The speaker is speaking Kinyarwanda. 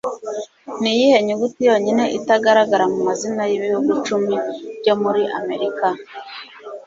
Niyihe nyuguti yonyine itagaragara mu mazina y'ibihugu icumi byo muri Amerika?